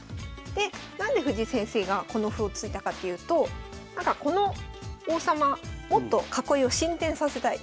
で何で藤井先生がこの歩を突いたかっていうとこの王様もっと囲いを進展させたい。